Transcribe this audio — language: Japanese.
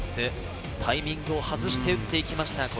タイミングを外して打っていきました。